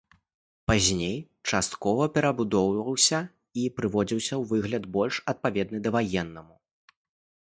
Пазней часткова перабудоўваўся і прыводзіўся ў выгляд, больш адпаведны даваеннаму.